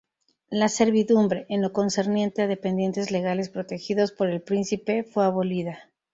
La servidumbre, en lo concerniente a dependientes legales protegidos por el príncipe, fue abolida.